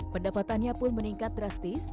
pendapatannya pun meningkat drastis